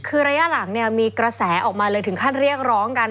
คือระยะหลังเนี่ยมีกระแสออกมาเลยถึงขั้นเรียกร้องกัน